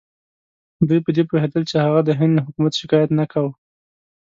دوی په دې پوهېدل چې هغه د هند له حکومت شکایت نه کاوه.